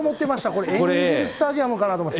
これ、エンジェルスタジアムかなと思って。